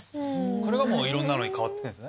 これがいろんなのに変わってくんですね。